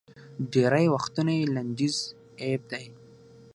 ډېری وختونه یې لنډیز اېب دی